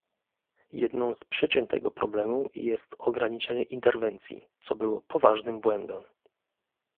Jedną z przyczyn tego problemu jest ograniczenie interwencji, co było poważnym błędem